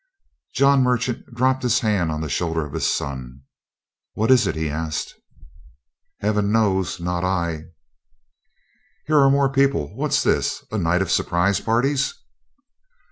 John Merchant dropped his hand on the shoulder of his son. "What is it?" he asked. "Heaven knows! Not I!" "Here are more people! What's this? A night of surprise parties?"